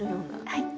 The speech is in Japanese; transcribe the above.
はい。